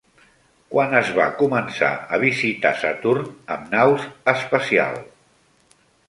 Quan es va començar a visitar Saturn amb naus espacial?